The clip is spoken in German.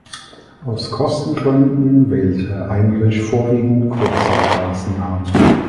Aus Kostengründen wählte Heinrich vorwiegend kurze Straßennamen.